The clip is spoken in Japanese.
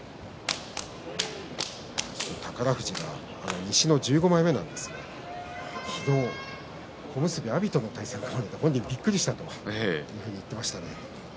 宝富士が西の１５枚目なんですが昨日、小結阿炎との対戦が組まれて本人がびっくりしたと話しています。